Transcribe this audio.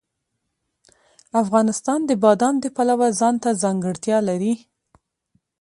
افغانستان د بادام د پلوه ځانته ځانګړتیا لري.